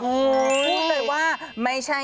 พูดเลยว่าไม่ใช่คีย์